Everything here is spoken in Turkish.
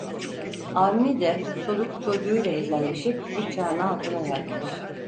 Avni de çoluk çocuğuyla helalleşip bıçağın altına yatmış.